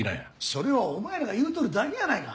それはお前らが言うとるだけやないか。